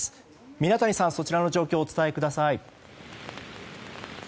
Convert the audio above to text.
皆谷さん、そちらの状況をお伝えください。